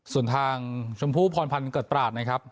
ส่วนทางชมพู่พรพันธ์เกิดตราดนะครับ